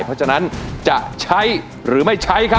เพราะฉะนั้นจะใช้หรือไม่ใช้ครับ